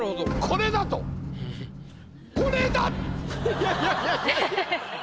いやいやいやいや。